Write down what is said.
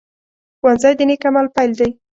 ښوونځی د نیک عمل پيل دی